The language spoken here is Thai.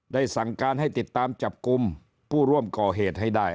สั่งการให้ติดตามจับกลุ่มผู้ร่วมก่อเหตุให้ได้